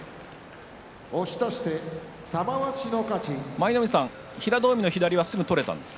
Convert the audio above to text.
舞の海さん、平戸海の左はすぐ取れたんですか？